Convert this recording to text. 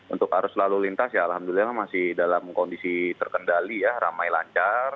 untuk arus lalu lintas ya alhamdulillah masih dalam kondisi terkendali ya ramai lancar